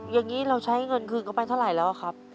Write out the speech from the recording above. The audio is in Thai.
อย่างนี้เราใช้เงินคืนเขาไปเท่าไหร่แล้วครับ